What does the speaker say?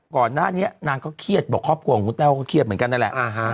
ก่อนหน้านี้นางก็เครียดบอกครอบครัวของคุณแต้วก็เครียดเหมือนกันนั่นแหละ